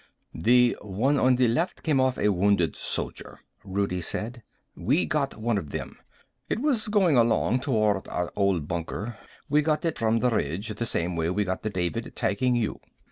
"The one on the left came off a Wounded Soldier," Rudi said. "We got one of them. It was going along toward our old bunker. We got it from the ridge, the same way we got the David tagging you."